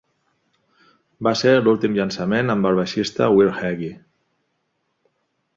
Va ser l'últim llançament amb el baixista Will Heggie.